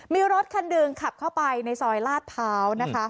มีรถคันดึงขับเข้าไปในซอยลาษเผา๑๐๗